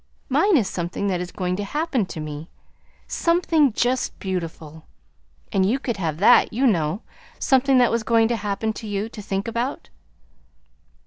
Mine is something that is going to happen to me something just beautiful; and you could have that, you know, something that was going to happen to you, to think about."